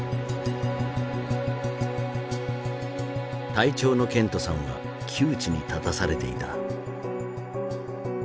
隊長のケントさんは窮地に立たされていた。